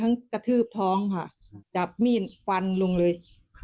ข้ำกระทืบท้องฮะจับมีนฟันลงเลย